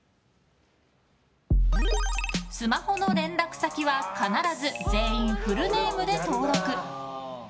スマホの連絡先は必ず全員フルネームで登録。